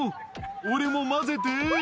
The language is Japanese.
俺も交ぜて」